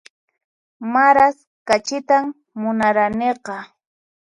Maras kachitan munaraniqa